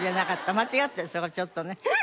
間違ってるそこちょっとね。